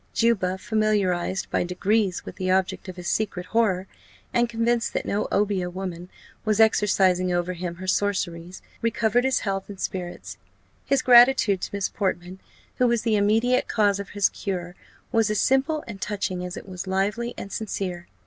Juba, familiarized by degrees with the object of his secret horror, and convinced that no obeah woman was exercising over him her sorceries, recovered his health and spirits. His gratitude to Miss Portman, who was the immediate cause of his cure, was as simple and touching as it was lively and sincere.